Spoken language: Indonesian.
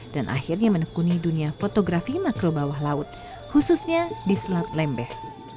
dan akhirnya menekuni dunia fotografi makro bawah laut khususnya di selat lembeh